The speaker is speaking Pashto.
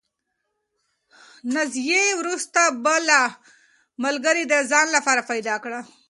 نازیې وروسته بله ملګرې د ځان لپاره پیدا کړه.